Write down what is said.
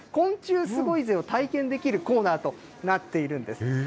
これ、昆虫すごいぜを体験できるコーナーとなっているんです。